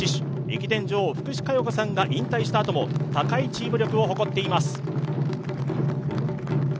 駅伝女王、福士加代子さんが引退したあとも高いチーム力を誇っています。